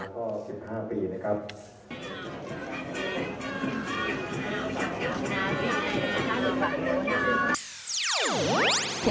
ก็๑๕ปีนะครับ